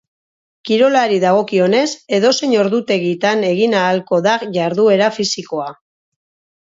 Kirolari dagokionez, edozein ordutegitan egin ahalko da jarduera fisikoa.